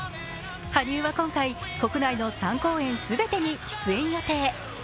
羽生は今回、国内の３公演全てに出演予定。